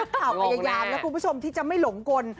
กล่าวกัยยามแล้วคุณผู้ชมที่จะไม่หลงกล